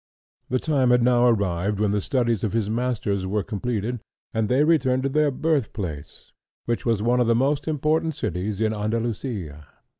The time had now arrived when the studies of his masters were completed, and they returned to their birthplace, which was one of the most important cities of Andalusia.